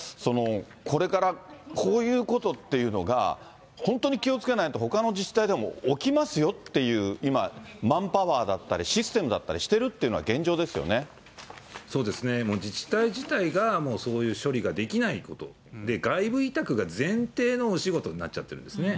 これからこういうことっていうのが、本当に気をつけないと、ほかの自治体でも起きますよっていう、今、マンパワーだったりシステムだったりしてるというのが、現状ですそうですね、もう自治体自体がそういう処理ができないこと、外部委託が前提のお仕事になっちゃってるんですね。